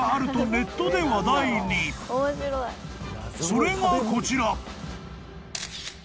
［それがこちら］